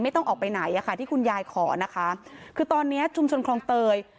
ไม่ต้องออกไปไหนที่คุณยายขอนะคะคือตอนนี้ชุมชนครองเตย